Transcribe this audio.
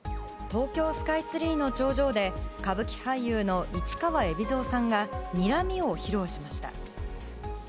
東京スカイツリーの頂上で、歌舞伎俳優の市川海老蔵さんが、にらみを披露しました。